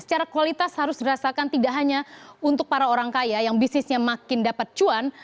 secara kualitas harus dirasakan tidak hanya untuk para orang kaya yang bisnisnya makin dapat cuan